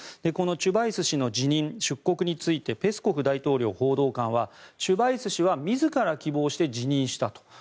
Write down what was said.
このチュバイス氏の辞任、出国についてペスコフ大統領報道官はチュバイス氏は自ら希望して辞任したと。